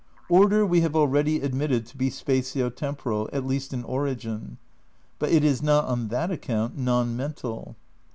Order we have already admitted to be spatio tem poral, at least in origin. But it is not on that account non mental.